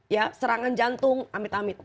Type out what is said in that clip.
ya serangan jantung amit amit